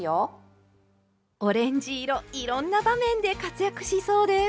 オレンジ色いろんな場面で活躍しそうです。